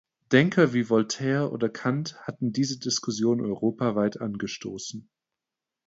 Denker wie Voltaire oder Kant hatten diese Diskussion europaweit angestoßen.